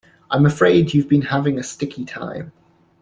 I'm afraid you've been having a sticky time.